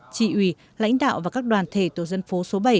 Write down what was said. chị ủy lãnh đạo và các đoàn thể tổ dân phố số bảy